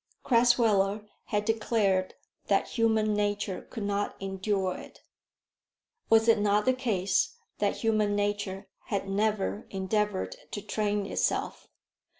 Crasweller had declared that human nature could not endure it. Was it not the case that human nature had never endeavoured to train itself?